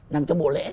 nằm trong bộ lễ